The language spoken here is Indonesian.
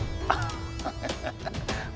manusia abadi bisa